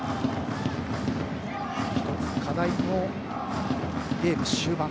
１つ課題のゲーム終盤。